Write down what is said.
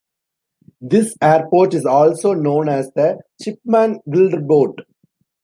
This airport is also known as the "Chipman Gliderport".